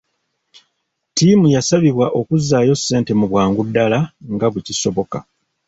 Ttiimu yasabibwa okuzzaayo ssente mu bwangu ddala nga bwe kisoboka.